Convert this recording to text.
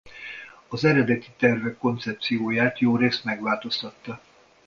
Az eredeti tervek koncepcióját jórészt megváltoztatta.